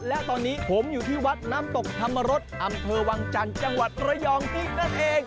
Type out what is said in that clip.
และตอนนี้ผมอยู่ที่วัดน้ำตกธรรมรสอำเภอวังจันทร์จังหวัดระยองซิ่งนั่นเอง